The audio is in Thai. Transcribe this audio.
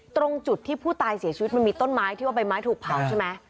ตรงจุดที่ผู้ตายเสียชีวิตมันมีต้นไม้ที่ว่าใบไม้ถูกเผาใช่ไหม